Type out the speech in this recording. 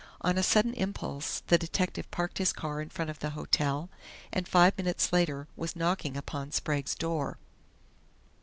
On a sudden impulse the detective parked his car in front of the hotel and five minutes later was knocking upon Sprague's door.